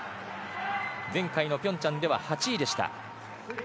前回のピョンチャンでは８位でした。